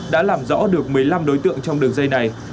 đã làm rõ được một mươi năm đối tượng trong đường dây này